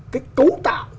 cái cấu tạo